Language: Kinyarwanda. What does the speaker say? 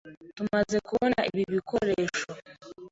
Tumaze kubona ibi bikoresho.